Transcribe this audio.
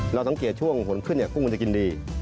เราสังเกตช่วงขนขึ้นกุ้งมันจะกินดี